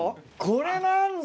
これなんだ！